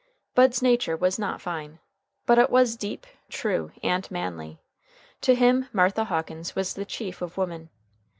Bud's nature was not fine. But it was deep, true, and manly. To him Martha Hawkins was the chief of women.